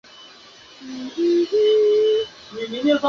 最低能量态的空间才是量子力学的真空。